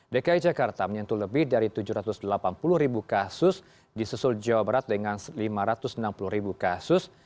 dki jakarta menyentuh lebih dari tujuh ratus delapan puluh ribu kasus di susul jawa barat dengan lima ratus enam puluh ribu kasus